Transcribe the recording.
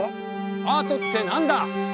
アートってなんだ？